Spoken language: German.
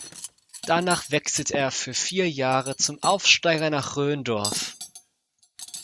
Danach wechselte er für vier Jahre zum Aufsteiger nach Rhöndorf.